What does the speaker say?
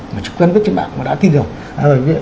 mà chỉ quen với chính bạn mà đã tin được